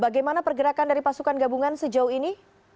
bagaimana pergerakan dari pasukan gabungan sejauh ini